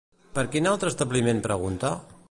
Per quin altre establiment pregunta?